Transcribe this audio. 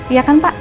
iya kan pak